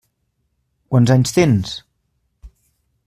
Quants anys tens?